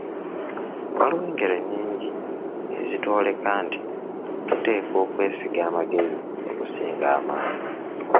Waliwo engero nnyingi ezitwoleka nti tuteekwa kwesiga magezi okusinga amaanyi.